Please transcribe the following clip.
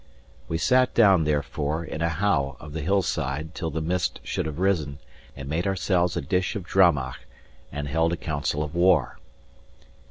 We sat down, therefore, in a howe of the hill side till the mist should have risen, and made ourselves a dish of drammach, and held a council of war.